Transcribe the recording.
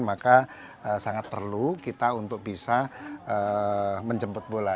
maka sangat perlu kita untuk bisa menjemput bola